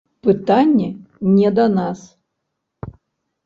Пытанне не да нас.